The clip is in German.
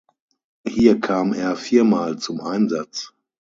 Hier kam er viermal zum Einsatz.